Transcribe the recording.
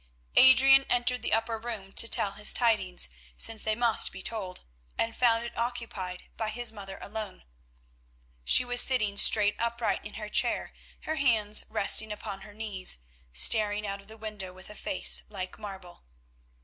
Adrian entered the upper room to tell his tidings, since they must be told, and found it occupied by his mother alone. She was sitting straight upright in her chair, her hands resting upon her knees, staring out of the window with a face like marble.